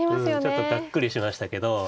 ちょっとがっくりしましたけど。